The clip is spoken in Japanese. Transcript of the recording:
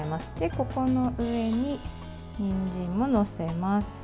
ここの上に、にんじんも載せます。